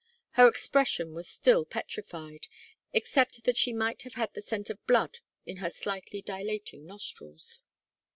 Her expression was still petrified, except that she might have had the scent of blood in her slightly dilating nostrils.